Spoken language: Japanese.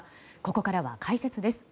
ここからは解説です。